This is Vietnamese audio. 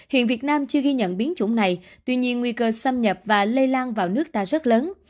hiện việt nam chưa ghi nhận biến chủng này tuy nhiên nguy cơ xâm nhập và lây lan vào nước ta rất lớn